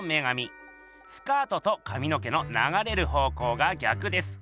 スカートとかみの毛のながれる方向が逆です。